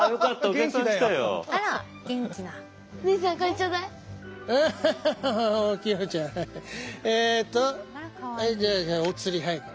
じゃあじゃあお釣りはいこれ。